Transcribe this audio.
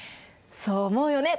そう思うよね？